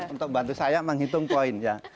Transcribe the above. untuk bantu saya menghitung koin ya